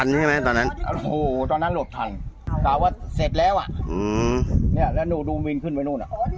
อันที่นี่มันประกอบคือเธอรอ